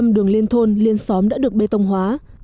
một trăm linh đường liên thôn liên xóm đã được bê tông hóa